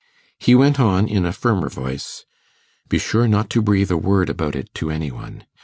He went on in a firmer voice 'Be sure not to breathe a word about it to any one.